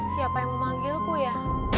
siapa yang memanggilku ya